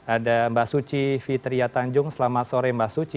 ada mbak suci fitriya tanjung selamat sore mbak suci